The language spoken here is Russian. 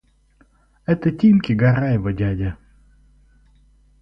– Это Тимки Гараева дядя.